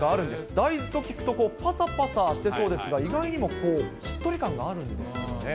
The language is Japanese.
大豆と聞くと、ぱさぱさしてそうですが、意外にもしっとり感があるんですよね。